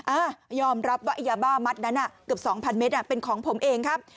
อ่ะยอมรับว่ายาบ้ามัดนั้นเกือบ๒๐๐เมตรเป็นของผมเองครับ